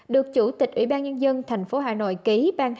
được chủ tịch ủy ban nhân dân thành phố hà nội ký